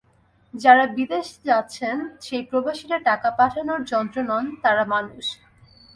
যাঁরা বিদেশে যাচ্ছেন, সেই প্রবাসীরা টাকা পাঠানোর যন্ত্র নন, তাঁরা মানুষ।